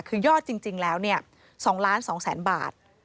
คือยอดจริงแล้ว๒๒๐๐๐๐บาท